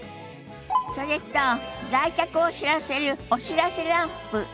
それと来客を知らせるお知らせランプ。